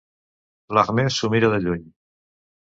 L'Ahmed s'ho mira de lluny.